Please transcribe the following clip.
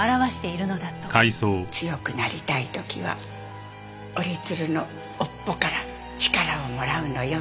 強くなりたい時は折り鶴の尾っぽから力をもらうのよ。